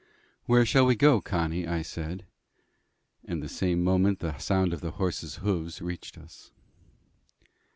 "Where shall we go, Connie?" I said, and the same moment the sound of the horses' hoofs reached us.